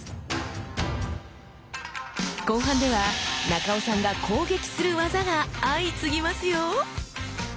後半では中尾さんが攻撃する技が相次ぎますよ。